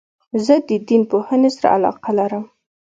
زه د دین پوهني سره علاقه لرم.